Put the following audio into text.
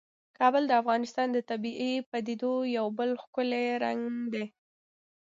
کابل د افغانستان د طبیعي پدیدو یو بل ښکلی رنګ دی.